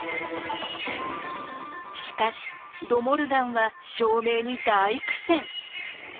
しかしド・モルガンは証明に大苦戦。